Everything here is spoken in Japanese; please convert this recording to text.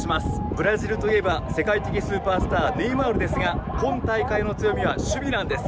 ブラジルといえば、世界的スーパースター、ネイマールですが、今大会の強みは守備なんです。